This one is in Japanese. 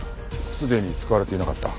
すでに使われていなかった。